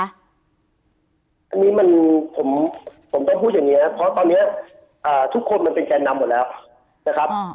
อันนี้มันผมต้องพูดอย่างนี้นะเพราะตอนนี้ทุกคนมันเป็นแกนนำหมดแล้วนะครับ